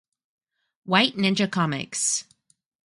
"White Ninja Comics".